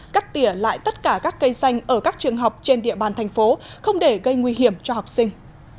cắt tỉa lại tất cả các cây xanh ở các trường học trên địa bàn thành phố không để gây nguy hiểm cho học sinh